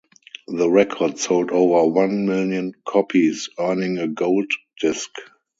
The record sold over one million copies, earning a gold disc.